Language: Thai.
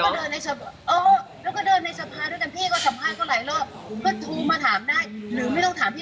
ถามนักกฎหมายที่อยู่ข้างพวกเขาก็ได้